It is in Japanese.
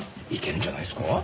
いけるんじゃないっすか？